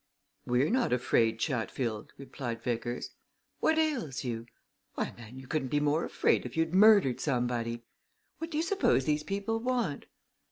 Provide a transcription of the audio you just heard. "We're not afraid, Chatfield," replied Vickers. "What ails you! Why man, you couldn't be more afraid if you'd murdered somebody! What do you suppose these people want?